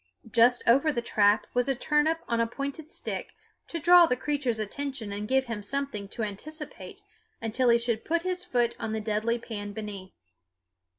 Just over the trap was a turnip on a pointed stick to draw the creature's attention and give him something to anticipate until he should put his foot on the deadly pan beneath.